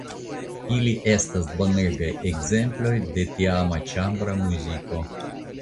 Ili estas bonegaj ekzemploj de la tiama ĉambra muziko.